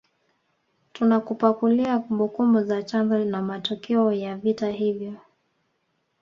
Tunakupakulia kumbukumbu za chanzo na matokeo ya vita hivyo